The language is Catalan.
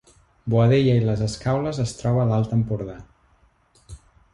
Boadella i les Escaules es troba a l’Alt Empordà